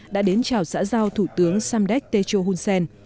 đã đến chào xã giao thủ tướng samdek techo hunsen